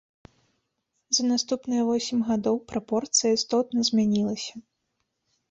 За наступныя восем гадоў прапорцыя істотна змянілася.